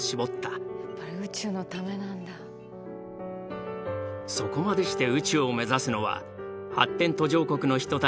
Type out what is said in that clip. そこまでして宇宙を目指すのは発展途上国の人たちに夢を与えるため。